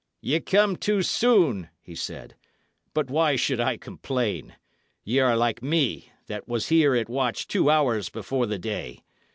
"Ye come too soon," he said; "but why should I complain? Ye are like me, that was here at watch two hours before the day.